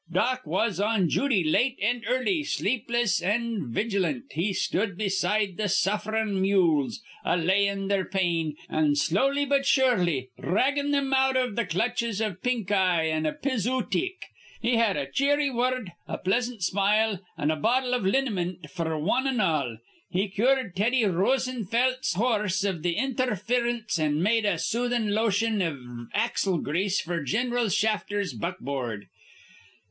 Dock was on jooty late an' early. Sleepless an' vigilant, he stood beside th' suffrin' mules, allayin' their pain, an' slowly but surely dhraggin' thim out iv th' clutches iv pinkeye an' epizootic. He had a cheery wurrud, a pleasant smile, an' a bottle iv liniment f'r wan an' all. He cured Teddy Rosenfelt's hor rse iv intherference an' made a soothin' lotion iv axle grease f'r Gin'ral Shafter's buckboard.